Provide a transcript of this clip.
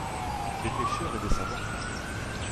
Des pêcheurs et des savants !